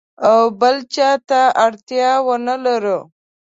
او بل چاته اړتیا ونه لرو.